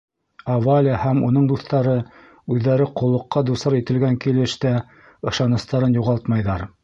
Ә Валя һәм уның дуҫтары, үҙҙәре ҡоллоҡҡа дусар ителгән килеш тә, ышаныстарын юғалтмайҙар.